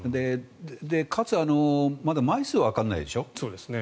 かつ、まだ枚数がわからないでしょ。